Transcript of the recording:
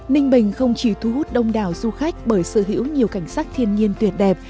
ninh bình không chỉ thu hút đông đảo du khách bởi sở hữu nhiều cảnh sắc thiên nhiên tuyệt đẹp